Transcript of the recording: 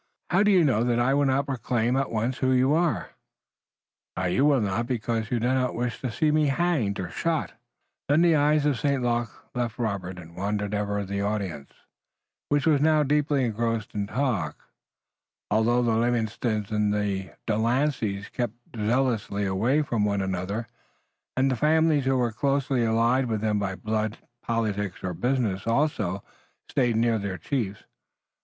"How do you know that I will not proclaim at once who you are?" "You will not because you do not wish to see me hanged or shot." Then the eyes of St. Luc left Robert and wandered ever the audience, which was now deeply engrossed in talk, although the Livingstons and the De Lanceys kept zealously away from one another, and the families who were closely allied with them by blood, politics or business also, stayed near their chiefs.